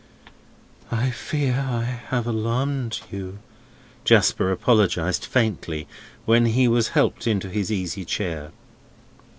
"I fear I have alarmed you?" Jasper apologised faintly, when he was helped into his easy chair.